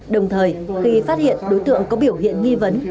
đồng thời khi phát hiện đối tượng có biểu hiện nghi vấn